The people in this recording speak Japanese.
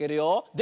で